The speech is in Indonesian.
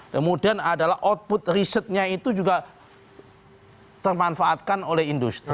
kemudian adalah output risetnya itu juga termanfaatkan oleh industri